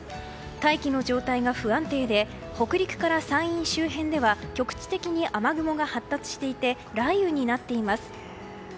大気の状態が不安定で北陸から山陰周辺では局地的に雨雲が発達していて雷雨になっています。